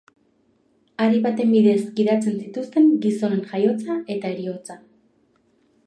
Hari baten bidez gidatzen zituzten gizonen jaiotza eta heriotza.